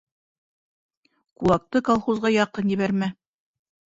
Кулакты колхозға яҡын ебәрмә.